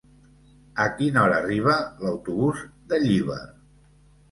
A quina hora arriba l'autobús de Llíber?